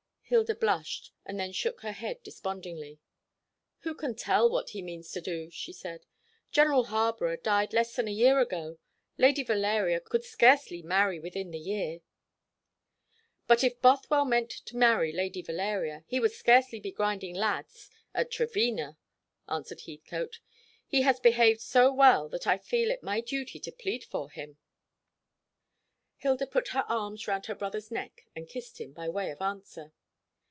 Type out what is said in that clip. Hilda blushed, and then shook her head despondingly. "Who can tell what he means to do?" she said. "General Harborough died less than a year ago. Lady Valeria could scarcely marry within the year." "But if Bothwell meant to marry Lady Valeria, he would scarcely be grinding lads at Trevena," answered Heathcote. "He has behaved so well that I feel it my duty to plead for him." Hilda put her arms round her brother's neck and kissed him, by way of answer.